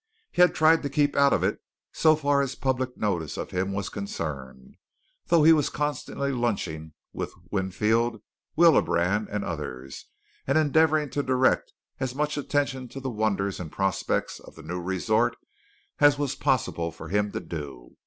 He had tried to keep out of it so far as public notice of him was concerned, though he was constantly lunching with Winfield, Willebrand, and others, and endeavoring to direct as much attention to the wonders and prospects of the new resort as was possible for him to do.